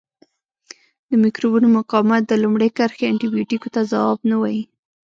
د مکروبونو مقاومت د لومړۍ کرښې انټي بیوټیکو ته ځواب نه وایي.